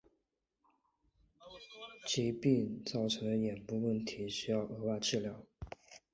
疾病造成的眼部问题需额外治疗。